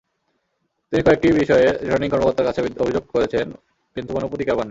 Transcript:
তিনি কয়েকটি বিষয়ে রিটার্নিং কর্মকর্তার কাছে অভিযোগ করেছেন, কিন্তু কোনো প্রতিকার পাননি।